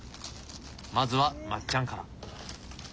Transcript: まずはまっちゃんから。